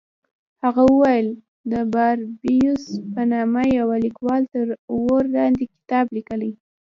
هغه وویل د باربیوس په نامه یوه لیکوال تر اور لاندې کتاب لیکلی.